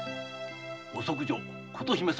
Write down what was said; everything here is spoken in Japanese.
ご息女琴姫様